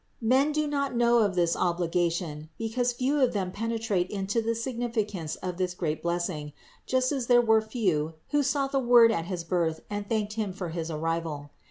Men do not know of this obliga tion, because few of them penetrate to the significance of this great blessing, just as there were few who saw the Word at his Birth and thanked Him for his arrival.